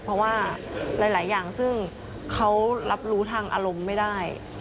เพราะว่าหลายอย่างซึ่งเขารับรู้ทางอารมณ์ไม่ได้